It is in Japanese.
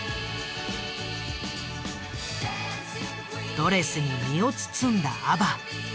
ドレスに身を包んだＡＢＢＡ。